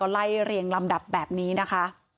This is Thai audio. ไล่เรียงลำดับแบบนี้นะคะ